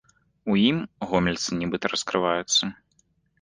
У ім гомельцы нібыта раскрываюцца.